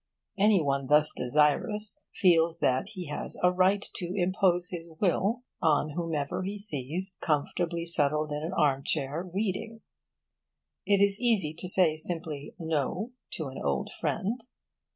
Any one thus desirous feels that he has a right to impose his will on whomever he sees comfortably settled in an arm chair, reading. It is easy to say simply 'No' to an old friend.